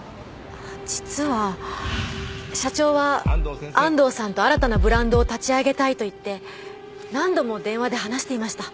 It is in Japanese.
実は社長は安藤さんと新たなブランドを立ち上げたいと言って何度も電話で話していました。